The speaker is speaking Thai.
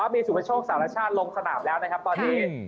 มีสุประโชคสารชาติลงสนามแล้วนะครับตอนนี้